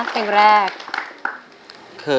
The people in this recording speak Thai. เพลงแรก